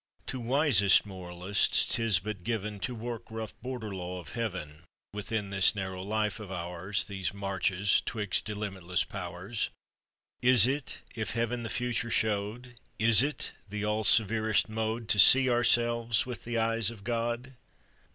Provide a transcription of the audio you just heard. To wisest moralists 'tis but given To work rough border law of Heaven, Within this narrow life of ours, These marches 'twixt delimitless Powers. Is it, if Heaven the future showed, Is it the all severest mode To see ourselves with the eyes of God?